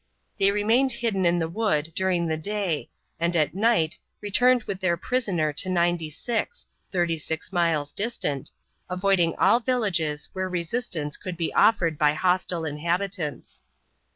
They remained hidden in the wood during the day and at night returned with their prisoner to Ninety six, thirty miles distant, avoiding all villages where resistance could be offered by hostile inhabitants.